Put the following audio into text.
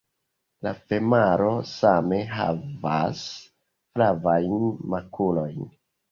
La femalo same havas flavajn makulojn.